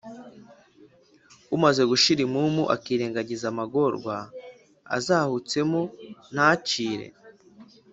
umaze gushira impumu, akirengagiza amagorwa azahutsemo, ntacire